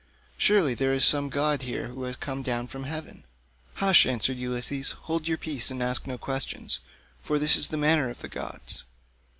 Surely there is some god here who has come down from heaven." "Hush," answered Ulysses, "hold your peace and ask no questions, for this is the manner of the gods.